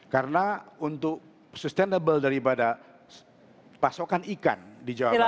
karena untuk sustainable daripada pasokan ikan di jawa barat